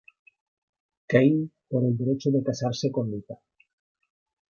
Kane por el derecho de casarse con Lita.